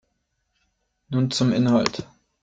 Nun zum Inhalt.